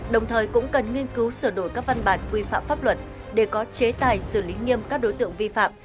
đồng thời cũng cần nghiên cứu sửa đổi các văn bản quy phạm pháp luật để có chế tài xử lý nghiêm các đối tượng vi phạm